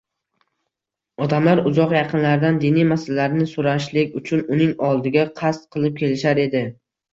Odamlar uzoq yaqinlardan diniy masalalarni so‘rashlik uchun uning oldiga qasd qilib kelishar edi